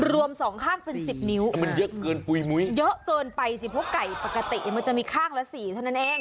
รวมสองข้างเป็นสิบนิ้วมันเยอะเกินปุ๋ยมุ้ยเยอะเกินไปสิเพราะไก่ปกติมันจะมีข้างละสี่เท่านั้นเอง